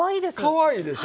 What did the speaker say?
かわいいでしょ。